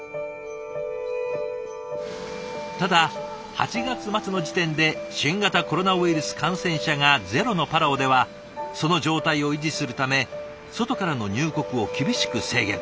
ただ８月末の時点で新型コロナウイルス感染者がゼロのパラオではその状態を維持するため外からの入国を厳しく制限。